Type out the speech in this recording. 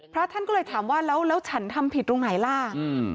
พระท่านก็เลยถามว่าแล้วฉันทำผิดตรงไหนล่ะ